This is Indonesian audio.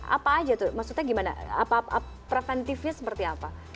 apa aja tuh maksudnya gimana preventifnya seperti apa